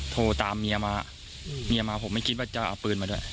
โทรตามเมียมาเมียมาผมไม่คิดว่าจะเอาปืนมาด้วย